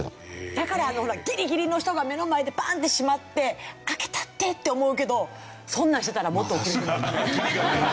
だからギリギリの人が目の前でバンッて閉まって「開けたって」って思うけどそんなんしてたらもっと遅れる。